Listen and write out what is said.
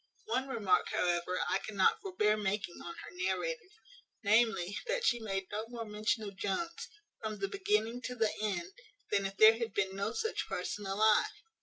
One remark, however, I cannot forbear making on her narrative, namely, that she made no more mention of Jones, from the beginning to the end, than if there had been no such person alive.